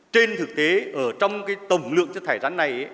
trên thực tế trong tổng lượng chất thải rắn này